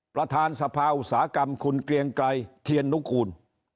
ประธานสภาอุตสาหกรรมคุณเกรียงไกรเทียนนุกูล